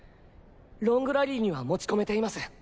ロングラリーには持ち込めています。